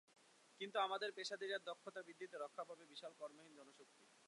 কিন্তু আমাদের পেশাদারি আর দক্ষতা বৃদ্ধিতে রক্ষা পাবে বিশাল কর্মহীন জনশক্তি।